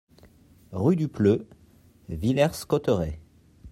Rue du Pleu, Villers-Cotterêts